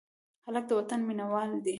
هلک د وطن مینه وال دی.